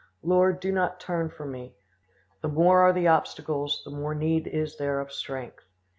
Lord, do not turn from me; the more are the obstacles the more need is there of strength."